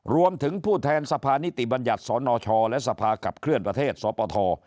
รวมถึงผู้แทนสภานิติบัญญัติสนชและสภาขับเคลื่อนประเทศสปท